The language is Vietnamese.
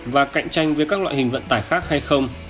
và cạnh tranh với các loại hình vận tải khác hay không